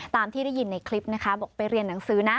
ตามที่ได้ยินในคลิปนะคะบอกไปเรียนหนังสือนะ